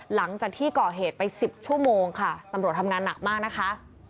หลังจากที่ก่อเหตุไป๑๐ชั่วโมงค่ะตำรวจทำงานหนักมากนะคะ